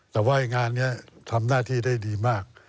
แต่ว่างานนี้ทำหน้าที่ได้ดีมาก